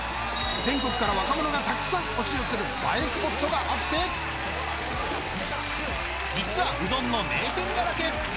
全国から若者がたくさん押し寄せる映えスポットがあって実はうどんの名店だらけ